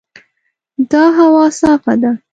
دا هوا صافه ده.